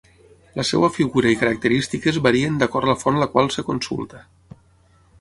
La seva figura i característiques varien d'acord la font la qual es consulta.